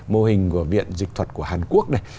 mô hình của viện dịch thuật của hàn quốc này